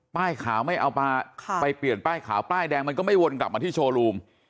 ขาวไม่เอามาไปเปลี่ยนป้ายขาวป้ายแดงมันก็ไม่วนกลับมาที่โชว์รูม